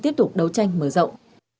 tiếp tục đấu tranh mở rộng